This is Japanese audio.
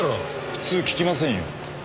普通聞きませんよ。